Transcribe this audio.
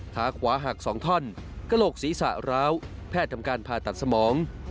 ขาขวาหัก๒ท่อนกระโหลกศีรษะร้าวแพทย์ทำการผ่าตัดสมอง